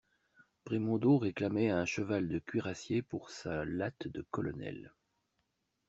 Brémondot réclamait un cheval de cuirassier pour sa latte de colonel.